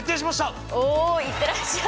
おお行ってらっしゃい。